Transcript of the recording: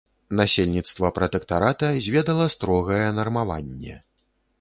Насельніцтва пратэктарата зведала строгае нармаванне.